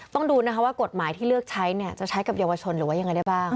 ต้องดูนะคะว่ากฎหมายที่เลือกใช้เนี่ยจะใช้กับเยาวชนหรือว่ายังไงได้บ้าง